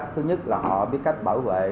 thứ nhất là họ biết cách bảo vệ